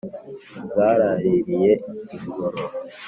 zaraririye ingoro